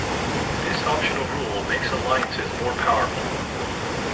This optional rule makes alliances more powerful.